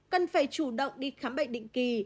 cần phải chủ động đi khám bệnh định kỳ